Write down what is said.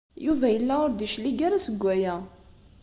Yuba yella ur d-yeclig ara seg waya.